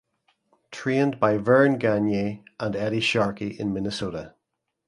Trained by Verne Gagne and Eddie Sharkey in Minnesota.